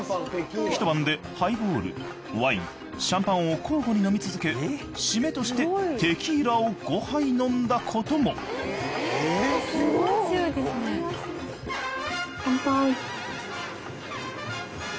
一晩でハイボールワインシャンパンを交互に飲み続けしめとしてテキーラを５杯飲んだことも乾杯。